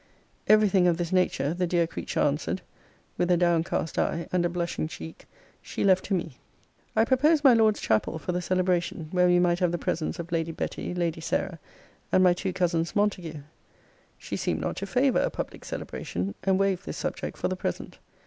Every thing of this nature, the dear creature answered, (with a downcast eye, and a blushing cheek,) she left to me. I proposed my Lord's chapel for the celebration, where we might have the presence of Lady Betty, Lady Sarah, and my two cousins Montague. She seemed not to favour a public celebration! and waved this subject for the present.